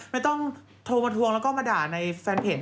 ไม่ต้องโทรมาทวงแล้วก็มาด่าในแฟนเพจ